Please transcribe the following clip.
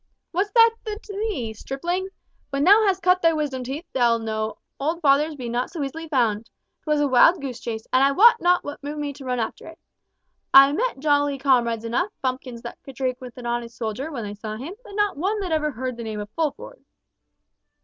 "What's that to thee, stripling? When thou hast cut thy wisdom teeth, thou'lt know old fathers be not so easy found. 'Twas a wild goose chase, and I wot not what moved me to run after it. I met jolly comrades enough, bumpkins that could drink with an honest soldier when they saw him, but not one that ever heard the name of Fulford."